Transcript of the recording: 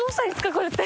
これって。